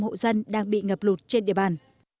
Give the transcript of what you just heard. hộ dân đang bị ngập lụt trên địa bàn